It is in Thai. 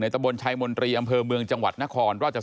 ในตะบนชัยมนตรีอำเภอเมืองจังหวัดนคร